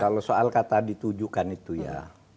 kalau soal kata ditujukan itu ya